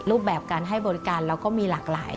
รูปแบบการให้บริการเราก็มีหลากหลาย